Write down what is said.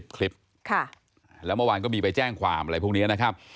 คลิปแล้วเมื่อวานก็มีไปแจ้งความอะไรพวกนี้นะครับ